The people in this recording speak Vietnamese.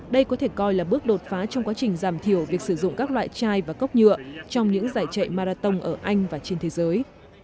đây có thể coi là bước đột phá trong quá trình giảm thiểu việc sử dụng các loại chai và cốc nhựa trong những giải chạy marathon ở anh và trên thế giới